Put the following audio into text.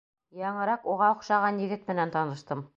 Яңыраҡ уға оҡшаған егет менән таныштым.